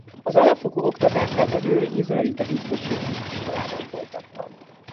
Az alapfokú oktatását a győri izraelita hitközségi népiskolában folytatta.